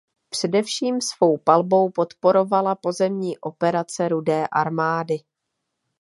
Především svou palbou podporovala pozemní operace Rudé armády.